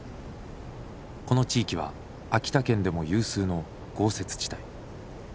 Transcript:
この地域は秋田県でも有数の豪雪地帯。